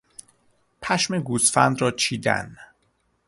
پشم گوسفند را چیدن